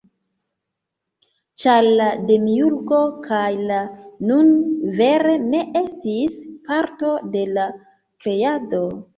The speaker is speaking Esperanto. Ĉar la Demiurgo kaj la "Nun" vere ne estis parto de la Kreado.